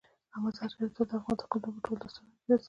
مزارشریف تل د افغان کلتور په ټولو داستانونو کې راځي.